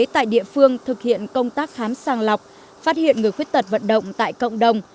tại địa phương thực hiện công tác khám sàng lọc phát hiện người khuyết tật vận động tại cộng đồng